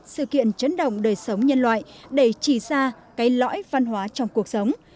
sự kiện chấn động đời sống nhân loại để chỉ ra cái lõi văn hóa trong cuộc sống